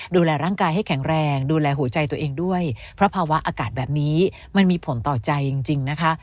ดูแลร่างกายให้แข็งแรงดูแลหัวใจตัวเองด้วยเพราะภาวะอากาศแบบนี้มันมีผลต่อใจจริงนะคะ